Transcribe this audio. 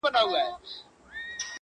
زه لرمه ډېر دولت دا هم علم هم آدب دی,